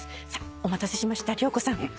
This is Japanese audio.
お待たせしました良子さん。